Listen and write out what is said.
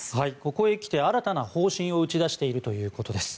ここへきて新たな方針を打ち出しているということです。